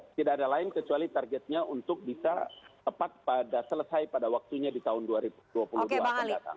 tidak ada lain kecuali targetnya untuk bisa tepat pada selesai pada waktunya di tahun dua ribu dua puluh dua akan datang